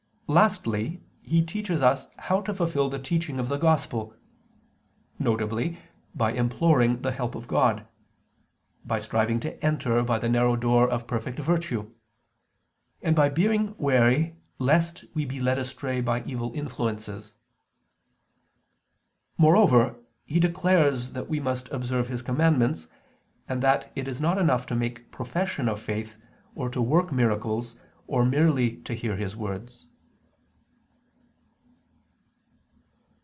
Lastly, He teaches us how to fulfil the teaching of the Gospel; viz. by imploring the help of God; by striving to enter by the narrow door of perfect virtue; and by being wary lest we be led astray by evil influences. Moreover, He declares that we must observe His commandments, and that it is not enough to make profession of faith, or to work miracles, or merely to hear His words.